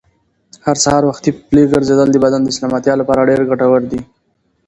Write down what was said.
هر سهار وختي پلي ګرځېدل د بدن د سلامتیا لپاره ډېر ګټور دي.